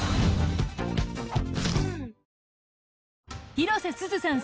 広瀬すずさん